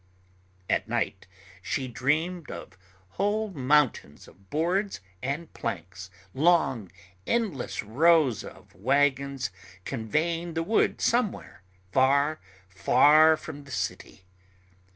At night she dreamed of whole mountains of boards and planks, long, endless rows of wagons conveying the wood somewhere, far, far from the city.